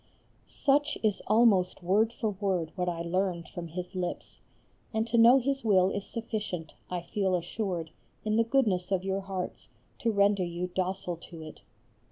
Such is almost word for word what I learned from his lips, and to know his will is sufficient, I feel assured, in the goodness of your hearts, to render you docile to it.